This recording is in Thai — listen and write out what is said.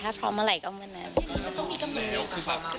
ถ้าพร้อมเมื่อไหร่ก็เมื่อนั้น